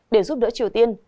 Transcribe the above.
để giúp đỡ triều tiên